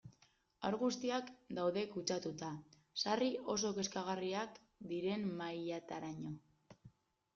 Haur guztiak daude kutsatuta, sarri oso kezkagarriak diren mailataraino.